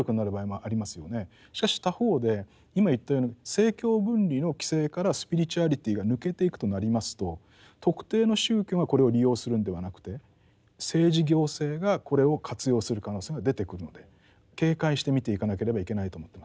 しかし他方で今言ったように政教分離の規制からスピリチュアリティが抜けていくとなりますと特定の宗教がこれを利用するんではなくて政治行政がこれを活用する可能性が出てくるので警戒して見ていかなければいけないと思ってます。